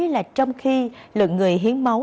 là trong khi lượng người hiến máu